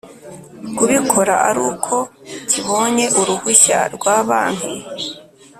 kubikora ari uko cyibonye uruhushya rwa Banki